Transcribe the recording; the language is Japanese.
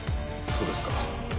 そうですか。